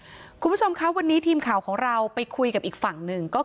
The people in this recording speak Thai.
คุณผู้ชมค่าโยงสบายได้เลยวันนี้ทีมข่าวของเราไปคุยกับอีกฝั่งหนึ่ง